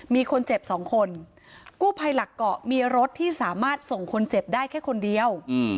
มีคนเจ็บสองคนกู้ภัยหลักเกาะมีรถที่สามารถส่งคนเจ็บได้แค่คนเดียว